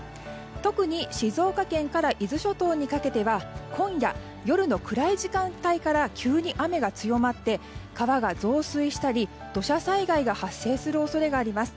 特に静岡県から伊豆諸島にかけては今夜、夜の暗い時間帯から急に雨が強まって川が増水したり土砂災害が発生する恐れがあります。